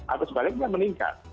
atau sebaliknya meningkat